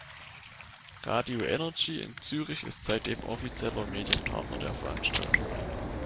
Radio Energy in Zürich ist seitdem offizieller Medienpartner der Veranstaltung.